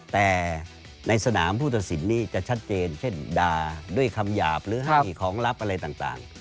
แต่ในสนามผู้ตัดสินนี้จะชัดเจนเช่นด่าด้วยคำหยาบหรือให้ของลับอะไรต่าง